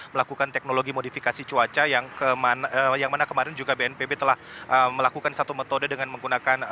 melakukan teknologi modifikasi cuaca yang mana kemarin juga bnpb telah melakukan satu metode dengan menggunakan